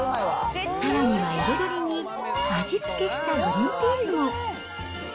さらには、彩りに味付けしたグリーンピースも。